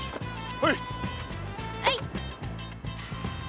はい。